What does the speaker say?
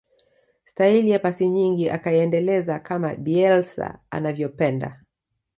staili ya pasi nyingi akaiendeleza kama bielsa anavyopenda